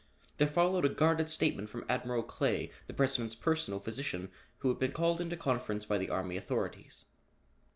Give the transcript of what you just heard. There followed a guarded statement from Admiral Clay, the President's personal physician, who had been called into conference by the army authorities.